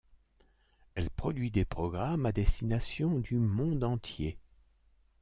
Elle produit des programmes à destination du monde entier.